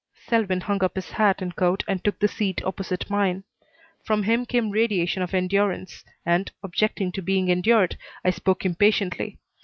Selwyn hung up his hat and coat and took the seat opposite mine. From him came radiation of endurance, and, objecting to being endured, I spoke impatiently.